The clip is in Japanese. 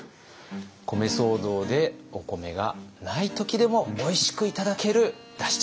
米騒動でお米がない時でもおいしくいただけるだし茶漬け。